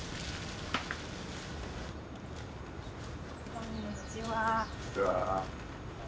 こんにちは。